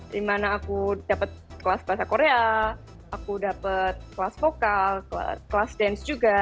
di mana aku dapet kelas kelasnya korea aku dapet kelas vokal kelas dance juga